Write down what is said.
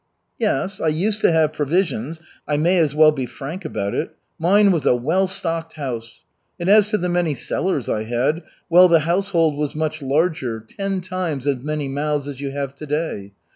"Yes, I used to have provisions, I may as well be frank about it. Mine was a well stocked house. And as to the many cellars I had, well, the household was much larger, ten times as many mouths as you have to day.